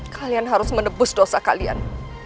kalian harus menebus dosa kalian